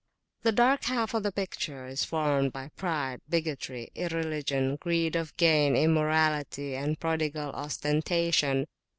The dark half of the picture is formed by pride, bigotry, irreligion, greed of gain, immorality, and prodigal ostentation.